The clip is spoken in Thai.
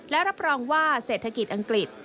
และรับรองว่าเศรษฐกิจอังกฤษ